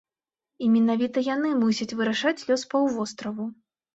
І менавіта яны мусяць вырашаць лёс паўвостраву.